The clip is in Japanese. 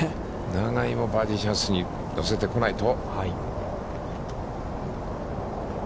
永井もバーディーチャンスに乗せてこないと。